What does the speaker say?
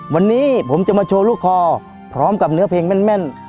วันนี้ผมจะมาโชว์ลูกคอพร้อมกับเนื้อเพลงแม่น